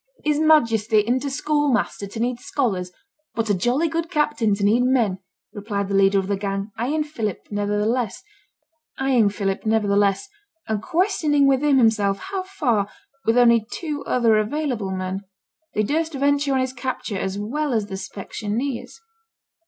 'His Majesty isn't a schoolmaster to need scholars; but a jolly good captain to need men,' replied the leader of the gang, eyeing Philip nevertheless, and questioning within himself how far, with only two other available men, they durst venture on his capture as well as the specksioneer's.